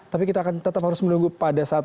tapi kita akan tetap harus menunggu pada saat